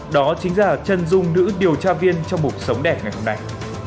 đó chính là chân dung nữ điều tra viên trong mục sống đẹp ngày hôm nay